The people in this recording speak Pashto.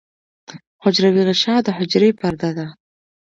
حجروی غشا د حجرې پرده ده